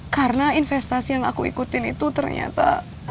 karena investasi yang aku ikutin itu ternyata